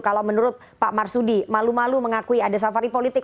kalau menurut pak marsudi malu malu mengakui ada safari politik